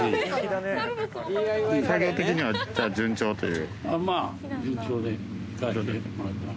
作業的には順調という？